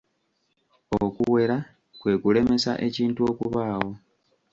Okuwera kwe kulemesa ekintu okubaawo.